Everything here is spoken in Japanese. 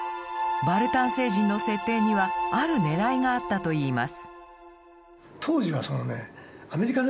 バルタン星人の設定にはあるねらいがあったといいます。